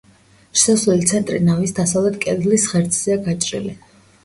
შესასვლელი ცენტრი ნავის დასავლეთ კედლის ღერძზეა გაჭრილი.